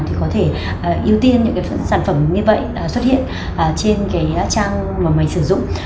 thì có thể ưu tiên những cái sản phẩm như vậy xuất hiện trên cái trang mà mình sử dụng